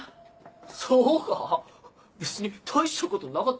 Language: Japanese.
そうか？